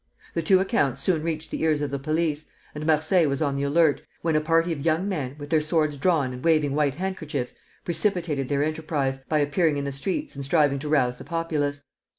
The two accounts soon reached the ears of the police, and Marseilles was on the alert, when a party of young men, with their swords drawn and waving white handkerchiefs, precipitated their enterprise, by appearing in the streets and striving to rouse the populace.